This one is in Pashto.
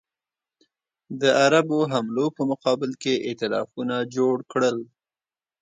د عربو حملو په مقابل کې ایتلافونه جوړ کړل.